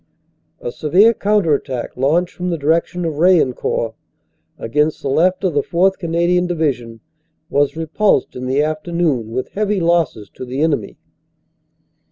"A severe counter attack launched from the direction of Raillencourt, against the left of the 4th. Canadian Division, was repulsed in the afternoon with heavy losses to the enemy.